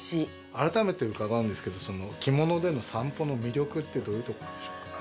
改めて伺うんですけど着物での散歩の魅力ってどういうところでしょうか？